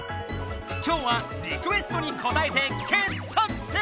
今日はリクエストにこたえて傑作選！